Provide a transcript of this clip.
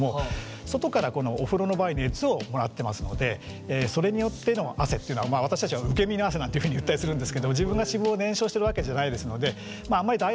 外からこのお風呂の場合熱をもらってますのでそれによっての汗っていうのはまあ私たちは受け身の汗なんていうふうに言ったりするんですけども自分が脂肪を燃焼してるわけじゃないですのでその分しっかりですね